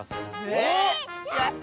えやった！